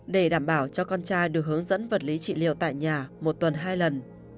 để đảm bảo cho con trai được hướng dẫn vật lý trị liệu tại nhà một tuần hai lần